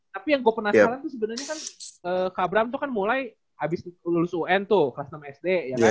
tapi yang gue penasaran tuh sebenernya kan ke abram tuh kan mulai habis lulus un tuh kelas enam sd